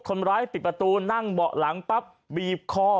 คนร้ายปิดประตูนั่งเบาะหลังปั๊บบีบคอ